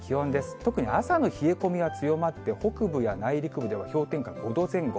特に朝の冷え込みは強まって、北部や内陸部では氷点下５度前後。